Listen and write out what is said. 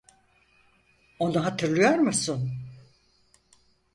Onu hatırlıyor musun?